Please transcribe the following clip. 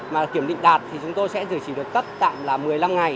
mà kiểm định đạt thì chúng tôi sẽ gửi chỉ được cấp tạm là một mươi năm ngày